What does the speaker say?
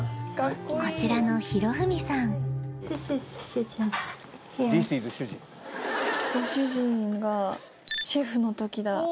こちらのご主人がシェフの時だ。